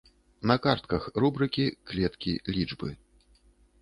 На картках рубрыкі, клеткі, лічбы.